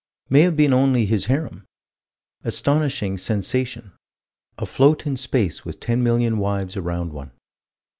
May have been only his harem. Astonishing sensation: afloat in space with ten million wives around one.